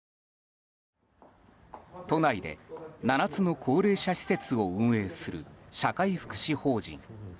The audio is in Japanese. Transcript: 都内で７つの高齢者施設を運営する社会福祉法人。